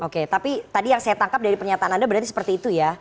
oke tapi tadi yang saya tangkap dari pernyataan anda berarti seperti itu ya